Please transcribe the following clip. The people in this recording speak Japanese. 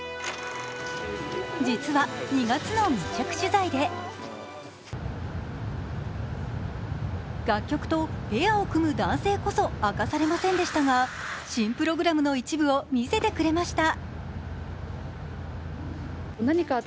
実は２月の密着取材で楽曲とペアを組む男性こそ明かされませんでしたが新プログラムの一部を見せてくれました。